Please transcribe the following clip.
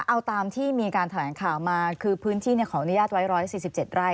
เอาตามที่มีการแถลงข่าวมาคือพื้นที่ขออนุญาตไว้๑๔๗ไร่